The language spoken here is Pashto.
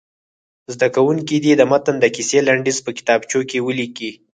زده کوونکي دې د متن د کیسې لنډیز په کتابچو کې ولیکي.